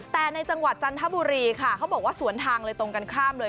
แต่ในจังหวัดจันทบุรีค่ะเขาบอกว่าสวนทางเลยตรงกันข้ามเลย